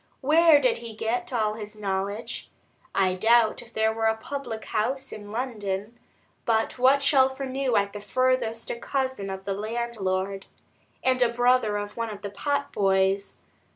Where did he get all his knowledge? I doubt if there were a public house in London, but what Shelfer knew at the furthest a cousin of the landlord, and a brother of one of the potboys.